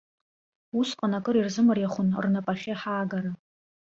Усҟан акыр ирзымариахон рнапахьы ҳаагара.